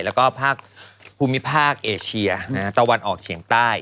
แล้วก็ภาคภูมิภาคเอเชียตะวันออกเฉียงใต้